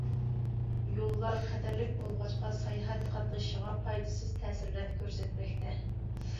يوللار خەتەرلىك بولغاچقا ساياھەت قاتنىشىغا پايدىسىز تەسىرلەرنى كۆرسەتمەكتە.